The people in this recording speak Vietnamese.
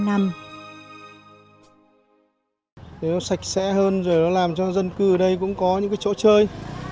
nếu sạch sẽ hơn rồi làm cho dân cư ở đây cũng có những chỗ chơi